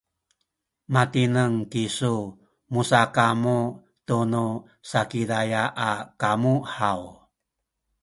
matineng kisu musakamu tunu Sakizaya a kamu haw?